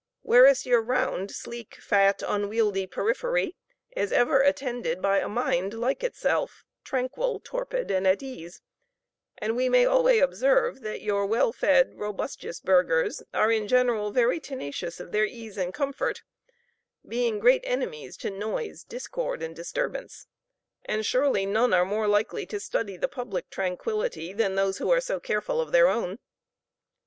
Whereas your round, sleek, fat, unwieldly periphery is ever attended by a mind like itself, tranquil, torpid, and at ease; and we may alway observe, that your well fed, robustious burghers are in general very tenacious of their ease and comfort; being great enemies to noise, discord, and disturbance and surely none are more likely to study the public tranquillity than those who are so careful of their own.